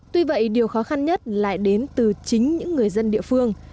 tuy vậy điều khó khăn nhất lại đến từ chính những người dân địa phương